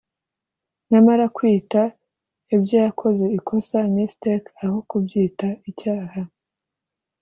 Nyamara kwita ibyo yakoze ‘ikosa’ [mistake] aho kubyita icyaha